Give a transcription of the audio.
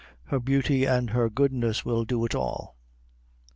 Her beauty an' her goodness will do it all!"